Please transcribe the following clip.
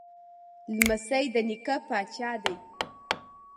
لمسی د نیکه پاچا دی.